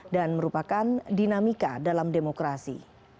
dan merupakan dinamika dalam demokrasi